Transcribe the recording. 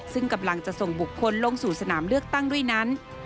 ซึ่งกำลังจะส่งบุคคลลงสู่สนามเลือกตั้งด้วยนั้น